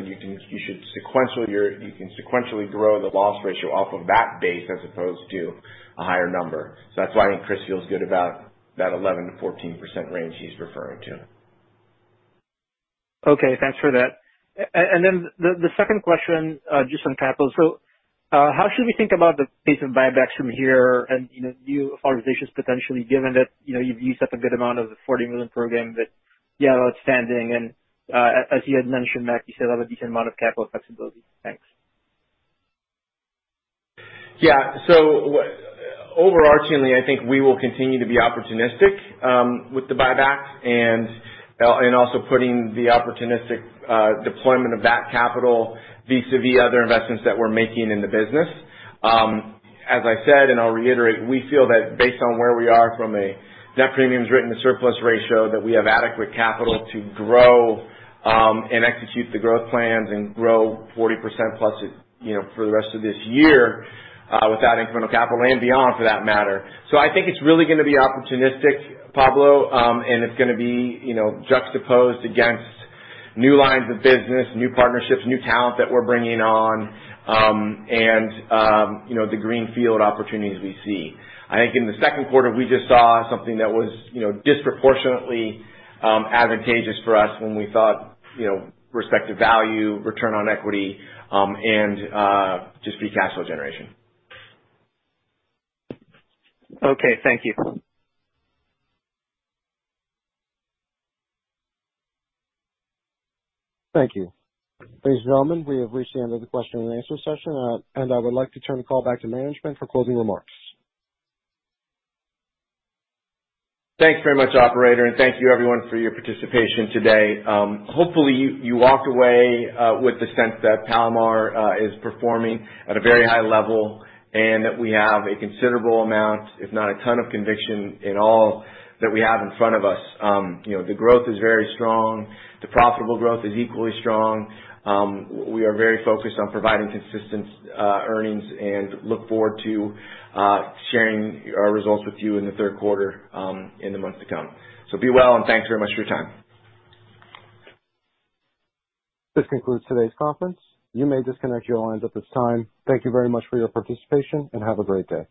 You can sequentially grow the loss ratio off of that base as opposed to a higher number. That's why I think Chris feels good about that 11%-14% range he's referring to. Okay. Thanks for that. The second question, just on capital. How should we think about the pace of buybacks from here and new authorizations potentially, given that you've used up a good amount of the $40 million program that you have outstanding? As you had mentioned, Mac, you still have a decent amount of capital flexibility. Thanks. Overarchingly, I think we will continue to be opportunistic with the buybacks and also putting the opportunistic deployment of that capital vis-a-vis other investments that we're making in the business. As I said, I'll reiterate, we feel that based on where we are from a net premiums written to surplus ratio, that we have adequate capital to grow and execute the growth plans and grow 40%+ for the rest of this year without incremental capital and beyond, for that matter. I think it's really going to be opportunistic, Pablo, and it's going to be juxtaposed against new lines of business, new partnerships, new talent that we're bringing on, and the greenfield opportunities we see. I think in the second quarter, we just saw something that was disproportionately advantageous for us when we thought respective value, return on equity, and just free cash flow generation. Okay. Thank you. Thank you. Ladies and gentlemen, we have reached the end of the question and answer session. I would like to turn the call back to management for closing remarks. Thanks very much, operator. Thank you everyone for your participation today. Hopefully you walked away with the sense that Palomar is performing at a very high level and that we have a considerable amount, if not a ton of conviction in all that we have in front of us. The growth is very strong. The profitable growth is equally strong. We are very focused on providing consistent earnings and look forward to sharing our results with you in the third quarter in the months to come. Be well, and thanks very much for your time. This concludes today's conference. You may disconnect your lines at this time. Thank you very much for your participation and have a great day.